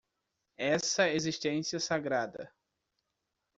Essa existência sagrada